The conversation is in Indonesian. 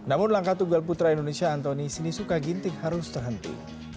namun langkah tugal putra indonesia antoni sinisuka ginting harus terhenti